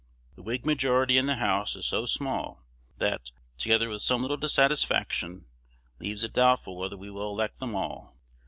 The Whig majority in the House is so small, that, together with some little dissatisfaction, leaves it doubtful whether we will elect them all.